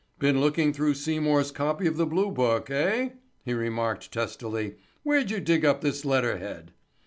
"Been looking through Seymour's copy of the Blue Book, eh?" he remarked testily. "Where'd you dig up this letter head?"